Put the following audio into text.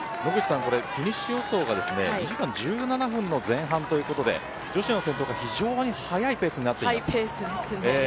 フィニッシュ予想が２時間１７分の前半というところで女子からすると非常に速いペースです。